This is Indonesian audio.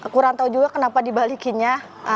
kurang tahu juga kenapa dibalikinnya